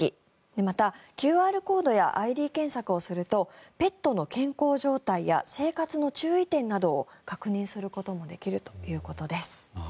また、ＱＲコードやＩＤ検索をするとペットの健康状態や生活の注意点などを確認することができるということです。